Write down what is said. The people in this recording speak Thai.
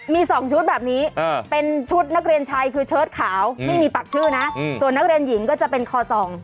มี๒ชุดแบบนี้เป็นชุดนักเรียนชายคือเชิดขาวไม่มีปักชื่อนะส่วนนักเรียนหญิงก็จะเป็นคอส่อง